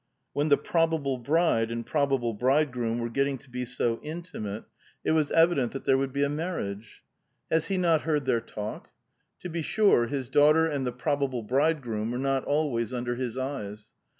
When the probable bride and probable bridegroom were getting to be so intimate, r ^ Dd sviddnya. A VITAL QUESTION. 437 it was evident that there would be a marriage. Has he not heard their talk? To be sure, his daughter and the probable bridegroom were uot always under his eyes.